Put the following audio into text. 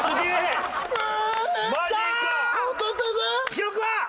記録は？